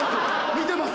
見てます。